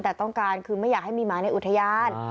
แต่ต้องการคือไม่อยากให้มีหมาในอุทยาน